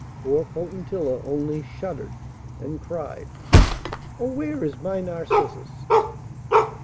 Poor Potentilla only shuddered and cried: 'Oh! where is my Narcissus?